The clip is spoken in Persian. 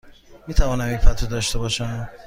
می توانم یک پتو داشته باشم؟